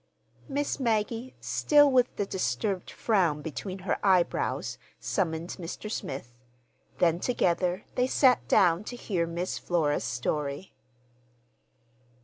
Miss Maggie, still with the disturbed frown between her eyebrows, summoned Mr. Smith. Then together they sat down to hear Miss Flora's story.